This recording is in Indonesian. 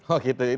oh gitu ya